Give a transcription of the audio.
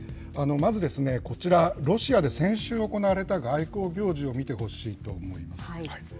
まず、こちら、ロシアで先週行われた外交行事を見てほしいと思います。